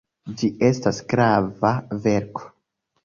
Ĝi estas grava verko.